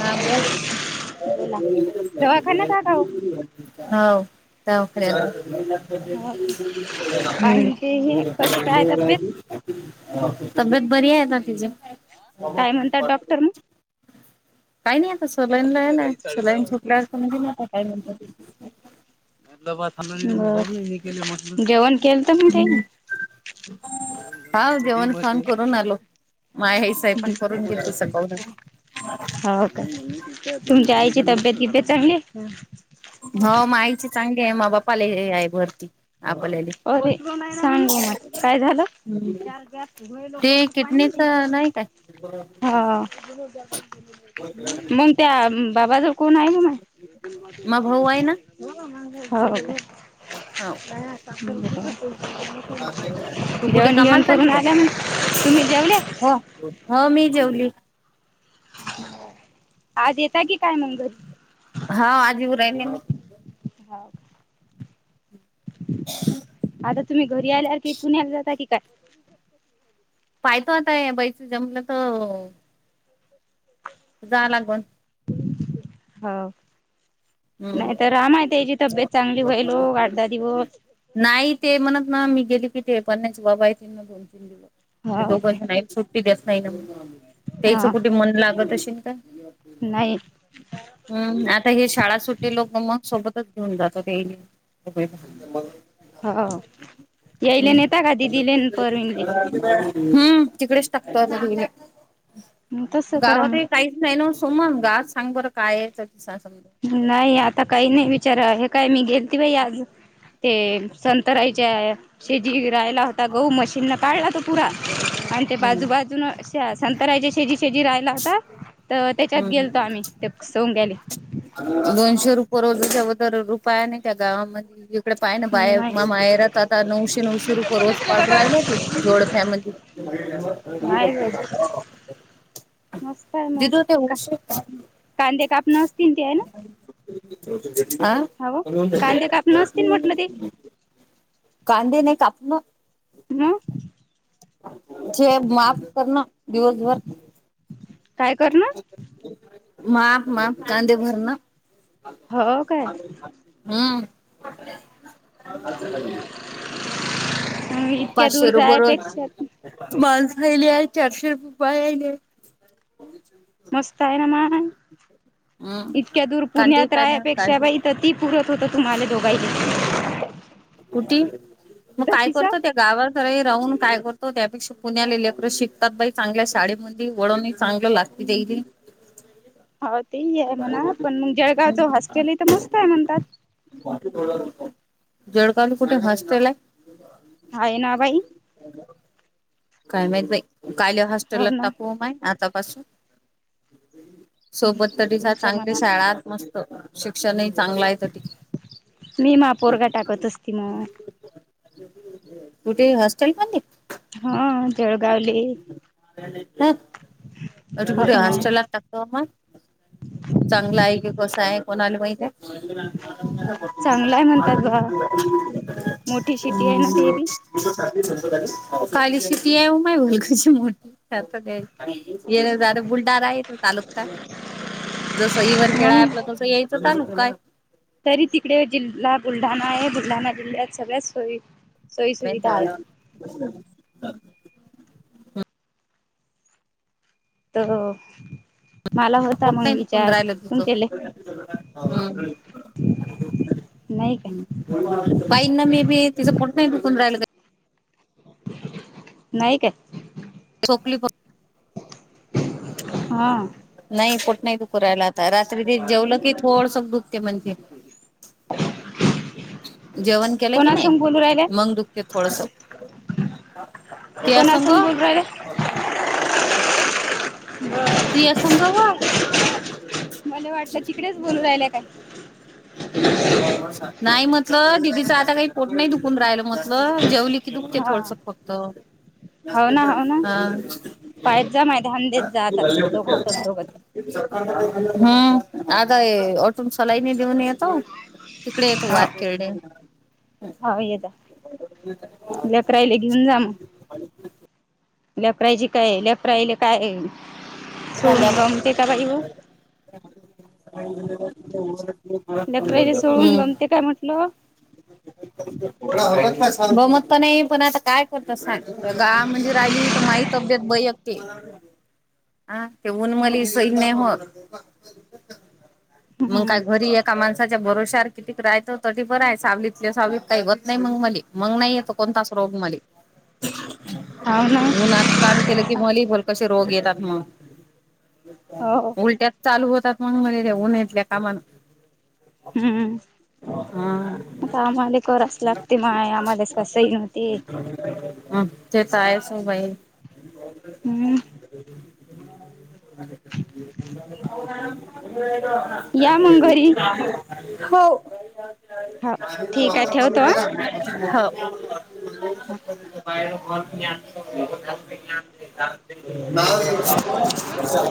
हां बोलं. बोला. दवाखान्यात आहात अहो. हो. दाव दवाखांन्यात हो का. हम्मं आणि ते हे कशी काय तब्येत तब्येत बरी आहे कां तिच्यां कायं म्हणतांत डॉक्टर मगं कांहीं नाहीं आंता सलाईन लावेल आहे सलाईन छोटल्यांवर समजेलं आंता कायं म्हणतं. जेवणं केलतं मगं त्यांनी. हम्मं हां जेवणं खावंन करूंन आलो मांय हे स्वयंपाक करूंन गेलती सकांळून. हो कायं तुमच्यां आईची तब्येत किब्येत चांगली आहे. हो मांयची चांगली आहे मांया बापांले हे आहे भरती. आपल्याले. अरे सांगव मांय कायं झालं. चार चार लयं ते लोकं पाणी किडनीच नेतेत. नाही काय? हं मंग त्यां बाबां जवळं कोणं आहे वं मगं. मग भाऊ आहे हो वांले हांव. सांगू नं देतो तूं कुठे कामांले करून चालली आल्या मग तुम्ही कायं? जेवल्या? हो हो मी जेवली. आंज येतांय की कायं मगं घरी? हां आंज येऊं राहिली मी. हो आंता तुम्हीं घरी आल्यांवर की पुण्यांला जातां की कायं? पाहित होतय बाई तुझा मुला तो. [inaudible] जा लागून. हाव, हम्म. नाही तर अमाये त्याची तब्येत चांगली होईल वो आठ-दहा दिवस. नाही ते म्हणत ना मी गेली कि ते पण नाहीच बाबा आहे त दोन-तीन दिवस ते हो काय दोघांच नाही सुट [unintelligible] त्याचं हा कुठं मन लागत अशेल काय? नाही. हम्म आता हे शाळा सु टे लोक मग सोबतच घेऊन जात ते. [unintelligible] हो यायले न येता का? दिदीला पोरीनले. हम्म तिकडेच टाकता आता दोगीले. मग तसं करा गावात मग हे काहीच नाही ना सोमंगा आज सांग बरं काय हे तरीसा समजल. नाही आता काही नाही विचारा हे काय मी गेलती बाई आज तेल, संंतराईच्या या. शेजीगी राहिला होता गहू मशीन न काढला तो पूरा अन् ते हम्म. बाजू-बाजून संतराय जे शेजी शेजी रा हता तर त्याच्यात गेलतो हम्म आम्ही ते सोंग्याले. दोनशे रुप रोजच वतर रुपया नाही त्या गावामध्ये एक तिकड पाय ना नाही बाया माया माहेरात आता नऊशे-नऊशे रुपये रोज पाडू राहिल्याती जोडप्यामधी. नाही बाई [unintelligible] मस्त आहे मग ते का, उशीर कांदे कापणं असतील ते हे ना? [unintelligible] आ हव कांदे कापण असतील [unintelligible] म्हटलं ते कांदे नाही कापणं. मग? जे माप कर ना दिवसभर. [inaudible] काय कर? माप माप कांदे भरणं. हो काय [inaudible] हम् [unintelligible] [unintelligible] [inaudible] इतक्या पाचशे दूर रुपये रोज. जायपेक्षा तुम्हाला [unintelligible] चारशे रुपये पायेले. [unintelligible] मस्त आहे ना मग, हम्म इतक्या दूर कांदे पुण्यात राहा पाण्यावर पेक्षा काढली बाई ईथ ती पुरत होतं तुम्हाला दोघांइले. कुटी? मग तर काय तिचा करतो त्यो गावाकडे राहून काय करतो त्यापेक्षा पुण्याला लेकर शिकतात बाई चांगल्या शाळेमध्ये वळणही चांगलं लागतं. देईले. [unintelligible] हो तेही आहे म्हणा पण मग जळगावच हॉस्टेलही हितं मस्त आहे म्हणतात. बाकी थोडा [unintelligible] जोडकाल कुठ हॉस्टल आहे? हाय ना बाई. काय माहित बाई काल हो हॉस्टेलत ना टाकू माय आतापासून. सोबत तरीसा तुमच्या चांगले मनात शाळात मस्त. शिक्षणही चांगलं आहे. [inaudible] तिनं [inaudible] कुठे हॉस्टेल मधी. हा जळगावले - आता कुठे हॉस्टेला टाकतो आपण चांगलं आहे की कसं आहे कोणाला माहिती आहे. चांगलाय म्हणतात बा मोठी शिटी आहे ना ते बी [unintelligible] हम् [inaudible] [inaudible] [inaudible] जस इवर खेळा मग आपलं तसं यायचं चालू काय? तरी तिकडे जिल्हा बुलढाणा आहे बुलढाणा जिल्ह्यात सगळ्याच सोयी सोयी सुुविधा आहेत [inaudible] [inaudible] मला [inaudible] होता मग विचार तुमच्याले नाही काय बाईंना मे बी तिचं पोट नाही दुकून राहिलं. का नाही काय. [inaudible] हा- नाही पोट नाही दुखं राहायला आता रात्री ते जेवलं कि थोडसं दुखते म्हणत्ये. [unintelligible] जेवण केलं की नाही कोणासंग बोलू राहिल्या मग दुख दुखते थोडस त्या संग कोणासंग बोलू राहिल्या [unintelligible] तिया संंग व- मला वाटले तिकडेच बोलू राहिले काय? नाही म्हटलं दिदिच आता काही पोट नाही दुकून राहिलं म्हटलं जेवली की दुखते हा थोडसं फक्त हा हो ना हो ना पायत [unintelligible] जा माय ध्यान देत जा आता लोक हातात लोक ती हम्म आता ओटो ने सलाईन देऊन येतो. तिकडे येतो वारखेरडे ह येताव लेकराले घेऊन जा मग आणि काय- लेकरायची काय लेकरायले काय सोडून झाल्यावर जमते का बाई वं [unintelligible] लेकराईले सोडून हम्म गमते काय म्हटलं गमत तर नाही पण आता काय करता सागं गावामधी राहिली तर माहित तब्येत [inaudible] ह ते ऊन मले हम्म सहन नाही होत मग हम्म काय घरी एका माणसा च्या भरोश्यावर किती राहायचं तरी बरं आहे सावलीतल्या सावलीत काही होत नाही मग मले मग नाही येत कोणताच रोग मले. [unintelligible] हाव ना उन्हात काम केलं कि मले भलतसे रोग येतात मग हो उलट्यांच चालू होतात म्हणून मले त्या उन्हातल्या कामानं. हम्म हा- आता आम्हाला करावचं लागते माय आम्हालास सई नव्हती. हम त्यांचं आहेस मोबाईल. हम्म या मग घरी [inaudible] हो हो ठीक आहे ठेवतो हा [inaudible] [inaudible] [inaudible]